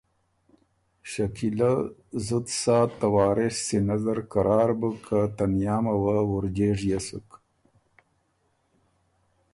شکیلۀ زُت ساعت ته وارث سینۀ زر قرار بُک که تنیامه وه وُرجېژيې سُک،